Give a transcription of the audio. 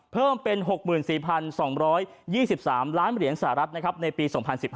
เพิ่มเป็น๖๔๒๒๓ล้านเหรียญสหรัฐในปี๒๐๑๕